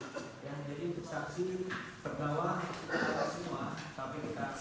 yang jadi instansi perbawaan untuk semua